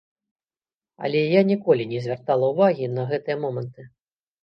Але я ніколі не звяртала ўвагі на гэтыя моманты.